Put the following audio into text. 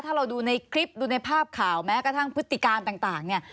ถ้าเราดูในคลิปดูในภาพข่าวแม้กระทั่งพฤติการต่างเนี่ย